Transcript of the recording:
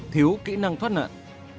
thiếu kỹ năng thoát nạn